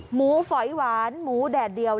หมูฝอยหวานหมูแดดเดียว